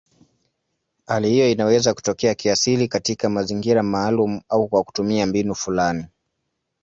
Hali hiyo inaweza kutokea kiasili katika mazingira maalumu au kwa kutumia mbinu fulani.